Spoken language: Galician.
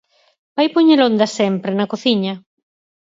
Vai poñelo onde sempre, na cociña.